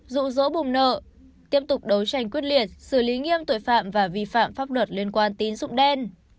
rụ rỗ bùng nợ tiếp tục đấu tranh quyết liệt xử lý nghiêm tội phạm và vi phạm pháp luật liên quan tín dụng đen